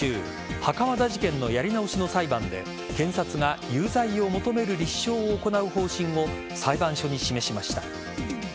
袴田事件のやり直しの裁判で検察が有罪を求める立証を行う方針を裁判所に示しました。